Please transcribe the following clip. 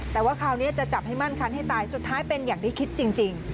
แต่ว่าคราวนี้จะจับให้มั่นคันให้ตายสุดท้ายเป็นอย่างที่คิดจริง